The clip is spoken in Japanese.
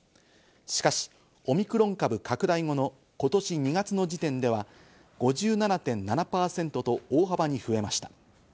しかしオミクロン株拡大後の今年２月の時点では、５７．７％と大幅に増えました。